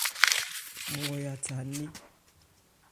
Nmɔja 'tha nné.